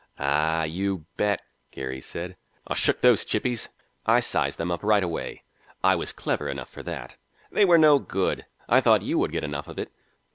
"Ah, you bet," Geary said. "I shook those chippies. I sized them up right away. I was clever enough for that. They were no good. I thought you would get enough of it."